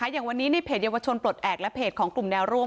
อย่างวันนี้ในเพจเยาวชนปลดแอบและเพจของกลุ่มแนวร่วม